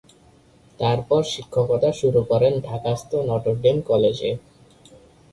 তারপর শিক্ষকতা শুরু করেন ঢাকাস্থ নটর ডেম কলেজে।